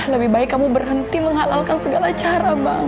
lebih baik kamu berhenti menghalalkan segala cara bang